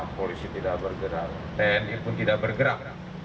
polisi tidak bergerak tni pun tidak bergerak